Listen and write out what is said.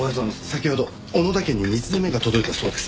先ほど小野田家に２通目が届いたそうです。